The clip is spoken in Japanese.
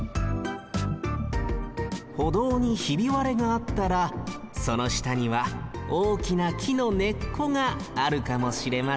歩道にひびわれがあったらそのしたにはおおきなきのねっこがあるかもしれませんよ